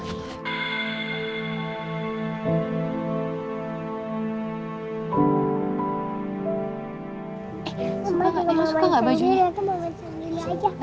eh suka gak naila bajunya